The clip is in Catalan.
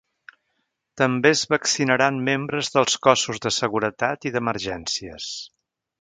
També es vaccinaran membres dels cossos de seguretat i d’emergències.